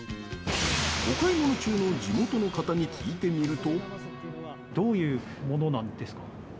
お買い物中の地元の方に聞いてみると。